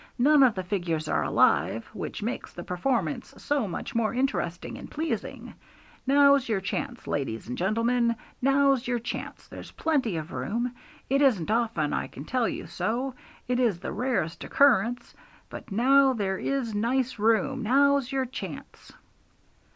None of the figures are alive, which makes the performance so much more interesting and pleasing. Now's your chance, ladies and gentlemen! now's your chance! There's plenty of room. It isn't often I can tell you so; it is the rarest occurrence, but now there is nice room! Now's your chance!'